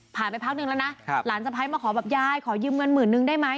ไปพักนึงแล้วนะหลานสะพ้ายมาขอแบบยายขอยืมเงินหมื่นนึงได้ไหม